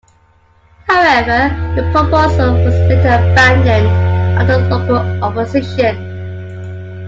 However, the proposal was later abandoned after local opposition.